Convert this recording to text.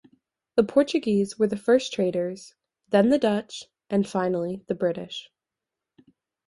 The Portuguese were the first traders, then the Dutch and finally the British.